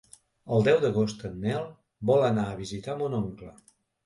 El deu d'agost en Nel vol anar a visitar mon oncle.